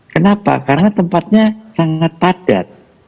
kenapa karena tempatnya sangat padat